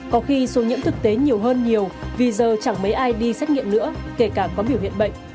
có khi số nhiễm thực tế nhiều hơn nhiều vì giờ chẳng mấy ai đi xét nghiệm nữa kể cả có biểu hiện bệnh